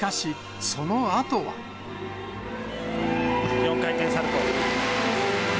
４回転サルコー。